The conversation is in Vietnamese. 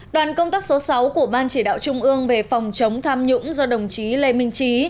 đoàn công tác số sáu của ban chỉ đạo trung ương về phòng chống tham nhũng do đồng chí lê minh trí